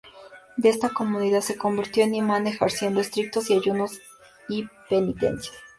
De esta comunidad se convirtió en imán, ejerciendo estrictos ayunos y penitencias.